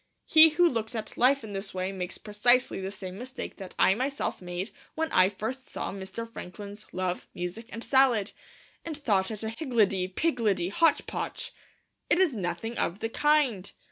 He who looks at life in this way makes precisely the same mistake that I myself made when I first saw Mr. Franklin's Love, Music, and Salad, and thought it a higgledy piggledy hotch potch. It is nothing of the kind.